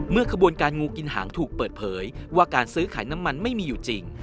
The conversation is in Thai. ขบวนการงูกินหางถูกเปิดเผยว่าการซื้อขายน้ำมันไม่มีอยู่จริง